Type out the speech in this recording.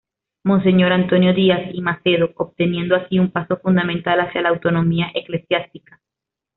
Monseñor Antonio Díaz y Macedo, obteniendo así, un paso fundamental hacia la autonomía eclesiástica.